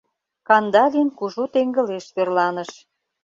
Кандалин кужу теҥгылеш верланыш.